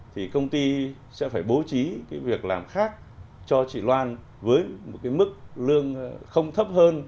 thì công ty sẽ phải bố trí việc làm khác cho chị loan với mức lương không thấp hơn